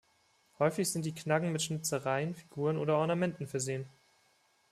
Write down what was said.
Häufig sind die Knaggen mit Schnitzereien, Figuren oder Ornamenten versehen.